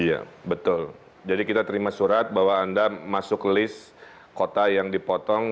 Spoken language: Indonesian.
iya betul jadi kita terima surat bahwa anda masuk list kota yang dipotong